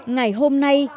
ngày hôm nay